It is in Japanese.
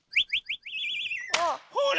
ほら。